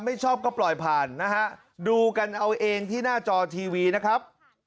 ไม่ชอบก็ปล่อยผ่านนะฮะดูกันเอาเองที่หน้าจอทีวีนะครับ